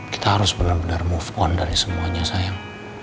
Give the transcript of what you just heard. kita harus bener bener move on dari semuanya sayang